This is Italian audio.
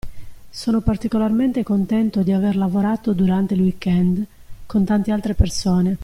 Sono particolarmente contento di aver lavorato, durante il weekend, con tante altre persone.